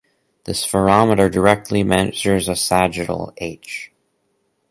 The spherometer directly measures a sagittal, "h".